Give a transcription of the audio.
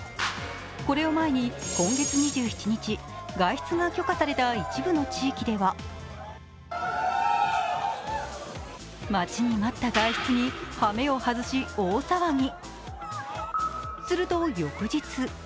これを前に今月２７日、外出が許可された一部の地域では待ちに待った外出にはめを外し大騒ぎ。